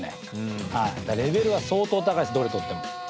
レベルは相当高いですどれ取っても。